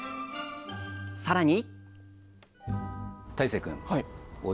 さらに！